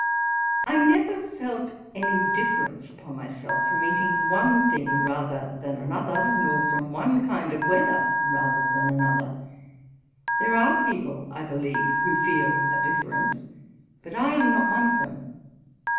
I never felt any difference upon myself from eating one thing rather than another, nor from one kind of weather rather than another. There are people. I believe, who feel a difference; but I am not one of them.